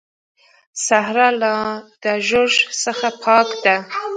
صحرا لا د ږوږ څخه پاکه ده.